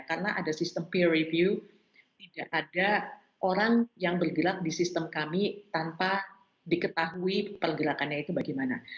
karena ada sistem peer review tidak ada orang yang bergerak di sistem kami tanpa diketahui pergerakannya itu bagaimana